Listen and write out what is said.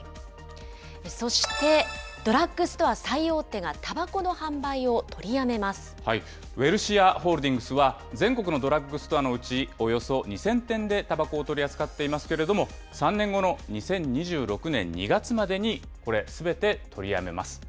そして、ドラッグストア最大ウエルシアホールディングスは、全国のドラッグストアのうち、およそ２０００店でたばこを取り扱っていますけれども、３年後の２０２６年２月までにすべて取りやめます。